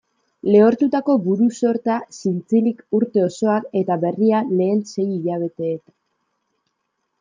Lehortutako buru-sorta zintzilik urte osoan, eta berria lehen sei hilabeteetan.